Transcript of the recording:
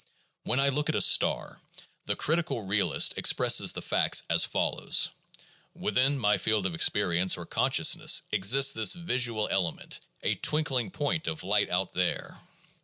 When I look at a star, the critical realist expresses the facts as follows: Within my field of experience (or consciousness) exists this visual element, a twinlding point of light out there.